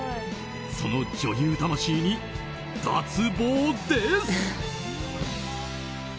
その女優魂に脱帽です。